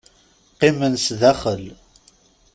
Qqimen sdaxel.